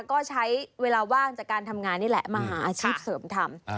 ก็ใช้เวลาว่างจากการทำงานนี่แหละมาหาอาชีพเสริมทำ